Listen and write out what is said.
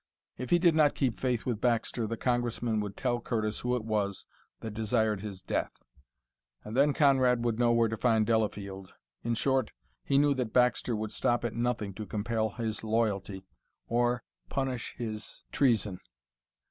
If he did not keep faith with Baxter the Congressman would tell Curtis who it was that desired his death; and then Conrad would know where to find Delafield. In short, he knew that Baxter would stop at nothing to compel his loyalty or punish his treason.